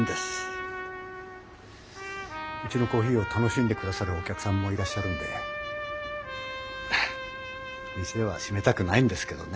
うちのコーヒーを楽しんで下さるお客さんもいらっしゃるんで店はしめたくないんですけどね。